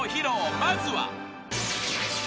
まずは］